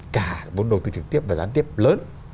cả vốn đầu tư trực tiếp và gián tiếp lớn